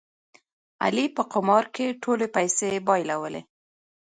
علي په قمار کې ټولې پیسې بایلولې.